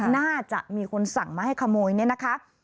น่าจะมีคนสั่งมาให้ขโมยเนี่ยนะคะ